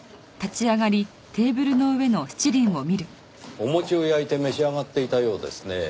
お餅を焼いて召し上がっていたようですねぇ。